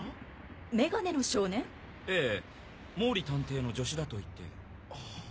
ええ毛利探偵の助手だと言って。